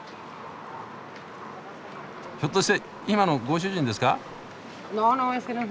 ひょっとして今のご主人ですか？